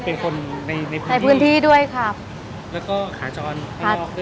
เป็นคนในในพื้นที่ในพื้นที่ด้วยครับแล้วก็ขาจรข้างนอก